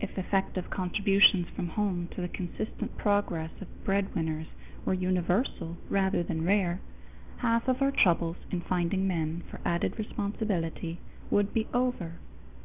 If effective contributions from home to the consistent progress of breadwinners were universal rather than rare, half of our troubles in finding men for added responsibility would be over.